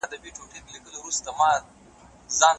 چي پیدا کړی خالق انسان دی